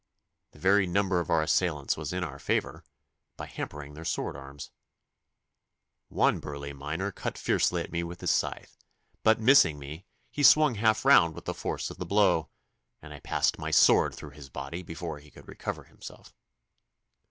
The very number of our assailants was in our favour, by hampering their sword arms. One burly miner cut fiercely at me with his scythe, but missing me he swung half round with the force of the blow, and I passed my sword through his body before he could recover himself.